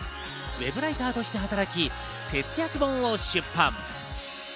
ウェブライターとして働き、節約本を出版。